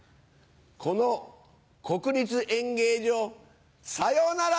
この国立演芸場さよなら！